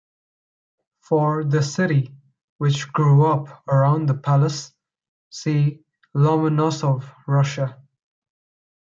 For the city which grew up around the palace see Lomonosov, Russia.